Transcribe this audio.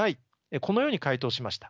このように回答しました。